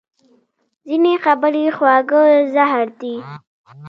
ځینې خبرې خواږه زهر دي